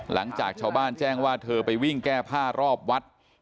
หลังจากชาวบ้านแจ้งว่าเธอไปวิ่งแก้ผ้ารอบวัด